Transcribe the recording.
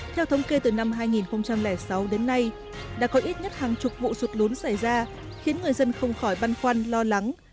theo thống kê từ năm hai nghìn sáu đến nay đã có ít nhất hàng chục vụ sụt lún xảy ra khiến người dân không khỏi băn khoăn lo lắng